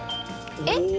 えっ？